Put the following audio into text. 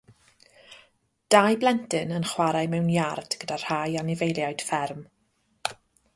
Dau blentyn yn chwarae mewn iard gyda rhai anifeiliaid fferm.